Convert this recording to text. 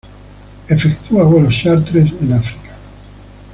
Efectúa vuelos chárter en África.